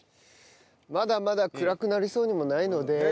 まだまだ暗くなりそうにもないので。